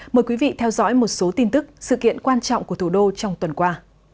mời quý vị theo dõi một số tin tức sự kiện quan trọng của thủ đô trong tuần qua